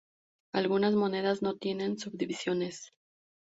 Algunas monedas no tienen subdivisiones.